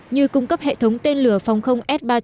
như cung cấp hệ thống tên lửa phòng không s ba trăm linh